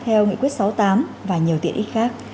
theo nghị quyết sáu mươi tám và nhiều tiện ích khác